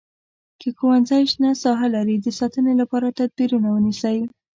که ښوونځی شنه ساحه لري د ساتنې لپاره تدبیرونه ونیسئ.